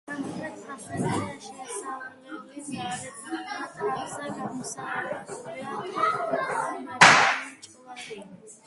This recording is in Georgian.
სამხრეთ ფასადზე, შესასვლელის არქიტრავზე, გამოსახულია ტოლმკლავებიანი ჯვარი.